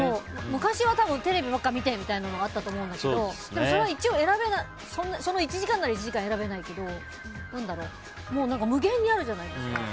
昔はテレビばっか見て！みたいなのがあったと思うけどでも、それはその１時間なら１時間は選べないけどもう無限にあるじゃないですか。